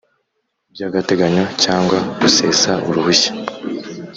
By agateganyo cyangwa gusesa uruhushya